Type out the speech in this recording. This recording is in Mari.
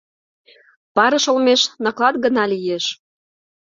Парыш олмеш наклат гына лиеш.